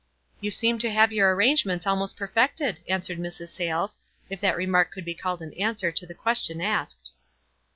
" You seem to have your arrangements almost perfected," answered Mrs. Sayles, if that re mark could be called an answer to the question asked.